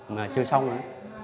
mà chưa xong rồi